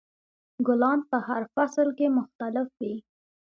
ګلان په هر فصل کې مختلف وي.